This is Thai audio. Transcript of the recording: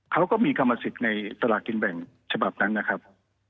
เขาก็มีกรรมสิทธิ์ในสลากินแบ่งฉบับนั้นนะครับ